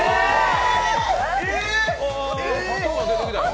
鳩が出てきたよ。